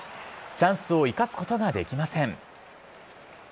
チャンスを生かすことができません。